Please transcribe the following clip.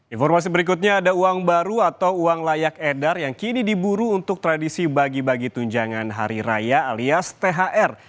informasi berikutnya ada uang baru atau uang layak edar yang kini diburu untuk tradisi bagi bagi tunjangan hari raya alias thr